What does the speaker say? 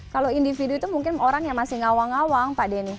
kalau individu itu mungkin orang yang masih ngawang awang pak denny